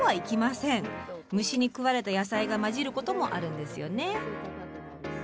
虫に食われた野菜が交じることもあるんですよね。